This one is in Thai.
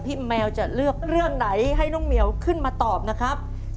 แมวจะเลือกเรื่องไหนให้น้องเหมียวขึ้นมาตอบนะครับ